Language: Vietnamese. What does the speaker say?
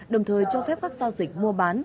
đồng thời cho phép các giao dịch mua bán